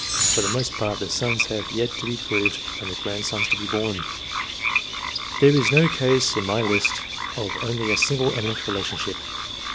For the most part the sons have yet to be proved and the grandsons to be born. There is no case in my list of only a single eminent relationship.